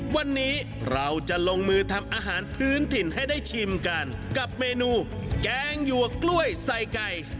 วันนี้เราจะลงมือทำอาหารพื้นถิ่นให้ได้ชิมกันกับเมนูแกงหยวกกล้วยใส่ไก่